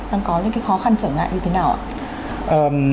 đang có những cái khó khăn trở ngại như thế nào ạ